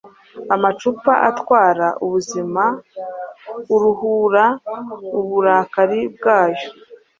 Amacupa atwara ubuzima aruhura uburakari bwayo